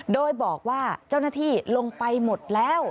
โดยบอกว่าเจ้าหน้าที่ลงไปหมดแล้ว